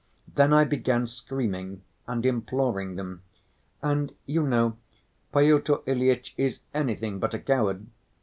Then I began screaming and imploring them. And, you know, Pyotr Ilyitch is anything but a coward.